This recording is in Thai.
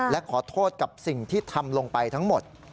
และขอโทษกับสิ่งที่ทำลงไปทั้งหมด